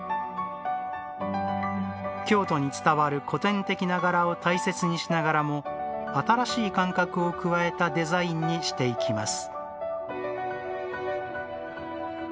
京都に伝わる古典的な柄を大切にしながらも新しい感覚を加えたデザインにしていきます。